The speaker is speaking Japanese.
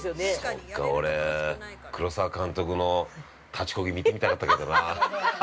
◆そっか、俺、黒沢監督の立ちこぎ見てみたかったけどなあ。